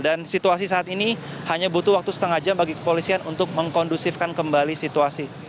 dan situasi saat ini hanya butuh waktu setengah jam bagi kepolisian untuk mengkondusifkan kembali situasi